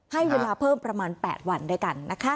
ให้เวลาเพิ่มประมาณ๘วันด้วยกันนะคะ